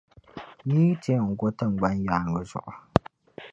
Yi yi ti yɛn go tiŋgbani yaaŋa zuɣu.